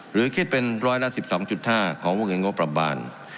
หรือคิดเป็นร้อยละ๑๒๕ของวงเงินงบประมาณ